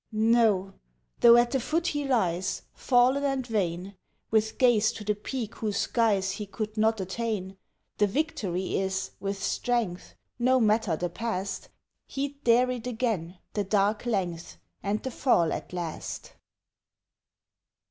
No! though at the foot he lies, Fallen and vain, With gaze to the peak whose skies He could not attain, The victory is, with strength No matter the past! He'd dare it again, the dark length, And the fall at last!